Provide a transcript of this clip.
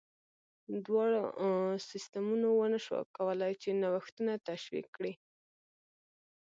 دواړو سیستمونو ونه شوای کولای چې نوښتونه تشویق کړي.